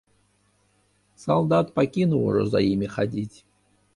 Салдат пакінуў ужо за імі хадзіць.